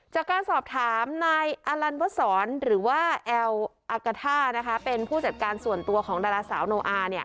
จากการสอบถามนายอลันวสรหรือว่าแอลอากาท่าเป็นผู้จัดการส่วนตัวของดาราสาวโนอา